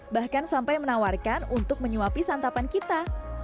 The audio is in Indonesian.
bahkan sampai menawarkan untuk menyuapi santapan kita